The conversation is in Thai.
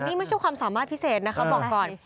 นี่ไม่ใช่ความสามารถพิเศษนะคะบอกก่อน